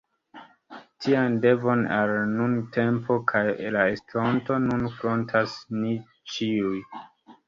Tian devon, al la nuntempo kaj la estonto, nun frontas ni ĉiuj.